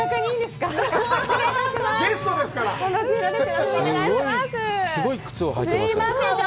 すいません。